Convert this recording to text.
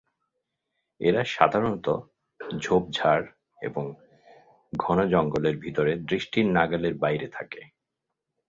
এরা সাধারনত, ঝোপঝাড় এবং ঘন জঙ্গলের ভিতরে দৃষ্টির নাগালের বাইরে থাকে।